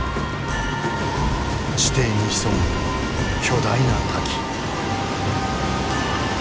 地底に潜む巨大な滝。